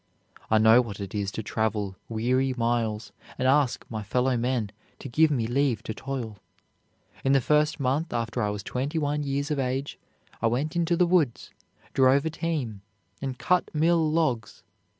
I know what it is to travel weary miles and ask my fellow men to give me leave to toil. ... In the first month after I was twenty one years of age, I went into the woods, drove a team, and cut mill logs.